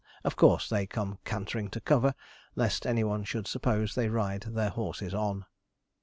Of course, they come cantering to cover, lest any one should suppose they ride their horses on.